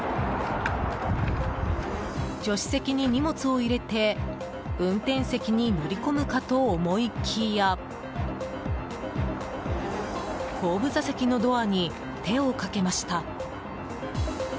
助手席に荷物を入れて運転席に乗り込むかと思いきや後部座席のドアに手をかけました。